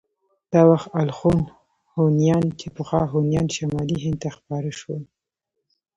دا وخت الخون هونيان چې پخوا هونيان شمالي هند ته خپاره شول.